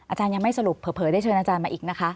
อาจารย์ยังไม่สรุปเผลอได้เชิญอาจารย์มาอีกนะคะ